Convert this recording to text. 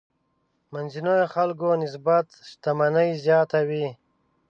منځنيو خلکو نسبت شتمني زیاته وي.